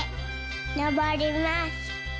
のぼります。